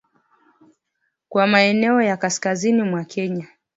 Kwa maeneo ya kaskazini mwa Kenya